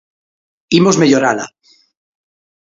Imos mellorala.